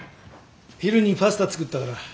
昼にパスタ作ったから。